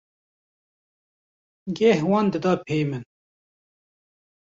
geh wan dida pey min.